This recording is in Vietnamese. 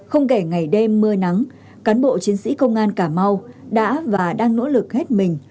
không kể ngày đêm mưa nắng cán bộ chiến sĩ công an cà mau đã và đang nỗ lực hết mình